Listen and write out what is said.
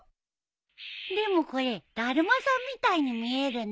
でもこれだるまさんみたいに見えるね。